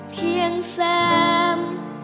เพียงแซม